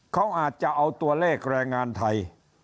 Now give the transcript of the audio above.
เขาอาจจะเอาตัวเลขแรงงานไทย